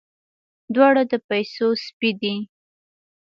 دواړه د پيسو سپي دي.